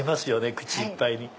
口いっぱいに。